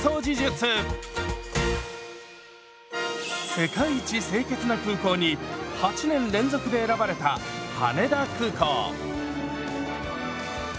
「世界一清潔な空港」に８年連続で選ばれた羽田空港。